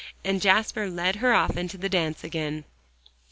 And Jasper led her off into the dance again.